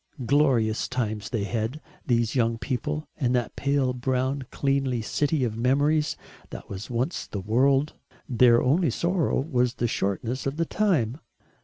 Glorious times they had, these young people, in that pale brown cleanly city of memories that was once the world. Their only sorrow was the shortness of the time.